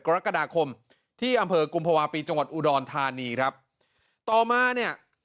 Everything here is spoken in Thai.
กรกฎาคมที่อำเภอกุมภาวะปีจังหวัดอุดรธานีครับต่อมาเนี่ย